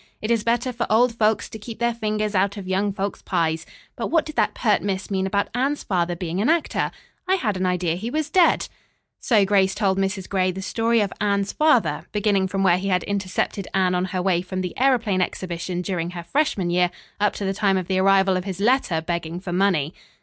"It is better for old folks to keep their fingers out of young folk's pies. But what did that pert miss mean about Anne's father being an actor? I had an idea he was dead." So Grace told Mrs. Gray the story of Anne's father, beginning from where he had intercepted Anne on her way from the aëroplane exhibition during her freshman year, up to the time of the arrival of his letter begging for money.